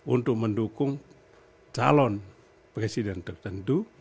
untuk mendukung calon presiden tertentu